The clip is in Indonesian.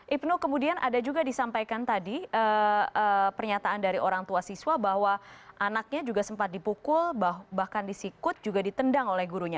ibnu kemudian ada juga disampaikan tadi pernyataan dari orang tua siswa bahwa anaknya juga sempat dipukul bahkan disikut juga ditendang oleh gurunya